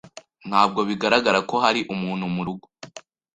Ntabwo bigaragara ko hari umuntu murugo.